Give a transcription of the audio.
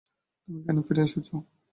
তুমি কেন ফিরে এসেছ?